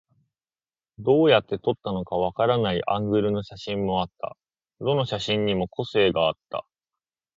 どうやって撮ったのかわからないアングルの写真もあった。どの写真にも個性があった。